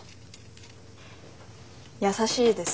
優しいです。